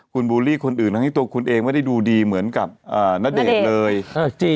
คุณบูลลี่คนอื่นทั้งที่ตัวคุณเองไม่ได้ดูดีเหมือนกับณเดชน์เลย